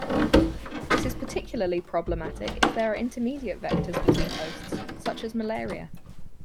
This is particularly problematic if there are intermediate vectors between hosts, such as malaria.